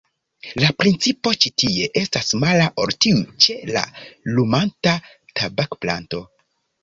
La principo ĉi tie estas mala ol tiu ĉe la lumanta tabakplanto.